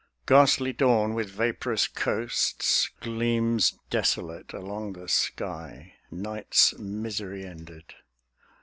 Ghastly dawn with vaporous coasts Gleams desolate along the sky, night's misery ended.